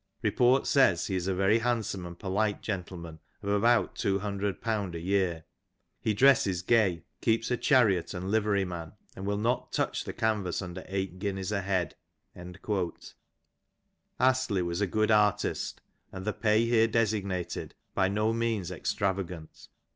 Report " says he is a very handsome and polite gentleman, of about jP200 a "year; he dresses gay, keeps a chariot and livery man, and will not " touch the canvas under eight guineas a head."" Astley was a good artist, and the pay here designated by no means extravagant.